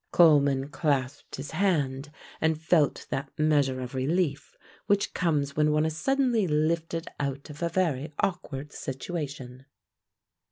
Coleman clasped his hand and felt that measure of relief which comes when one is suddenly lifted out of a very awkward situation.